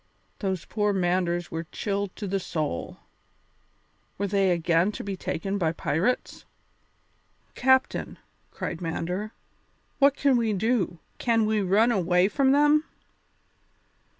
Those poor Manders were chilled to the soul. Were they again to be taken by pirates? "Captain," cried Mander, "what can we do, can we run away from them?"